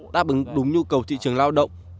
đáp ứng đúng nhu cầu thị trường lao động